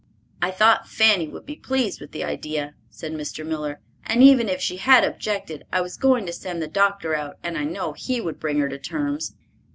"I thought Fanny would be pleased with the idea," said Mr. Miller, "and even if she had objected, I was going to send the doctor out, and I know he would bring her to terms."